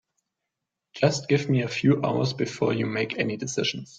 Just give me a few hours before you make any decisions.